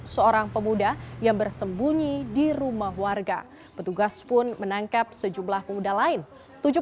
seorang pemuda yang bersembunyi di rumah warga petugas pun menangkap sejumlah pemuda lain